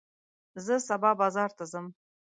زه سبا بازار ته ځم.